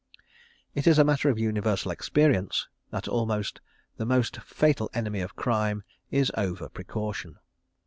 It is a matter of universal experience, that almost the most fatal enemy of crime is over precaution.